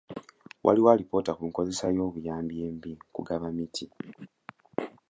Waliwo alipoota ku nkozesa y'obuyambi embi kugaba emiti.